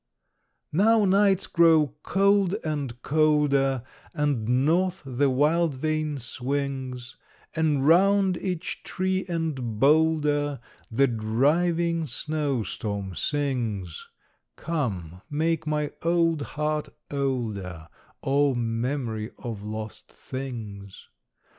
Now nights grow cold and colder, And North the wild vane swings, And round each tree and boulder The driving snow storm sings Come, make my old heart older, O memory of lost things!